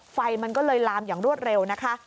ไฟมันก็เลยลามอย่างรวดเร็วนะคะ